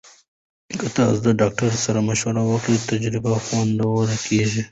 که تاسو د ډاکټر سره مشوره وکړئ، تجربه خوندي کېږي.